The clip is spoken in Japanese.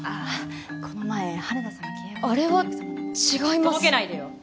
この前羽田さんが契約を取ったあれは違いますとぼけないでよ